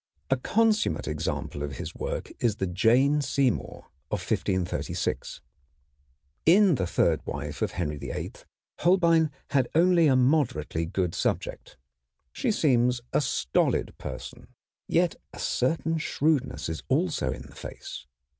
A consummate example of his work is the Jane Seymour of 1536. In the third wife of Henry VIII Holbein had only a moderately good subject. She seems a stolid person. Yet a certain shrewdness is also in the face.